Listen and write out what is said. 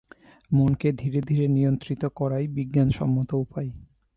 মনকে ধীরে ধীরে নিয়ন্ত্রিত করাই বিজ্ঞানসম্মত উপায়।